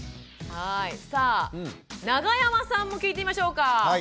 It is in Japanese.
さあ永山さんも聞いてみましょうか。